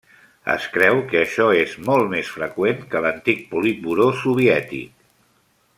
Es creu que això és molt més freqüent que l'antic Politburó soviètic.